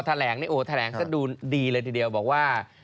พอแถลงแถลงดูดีเลยทีเดียวบอกว่า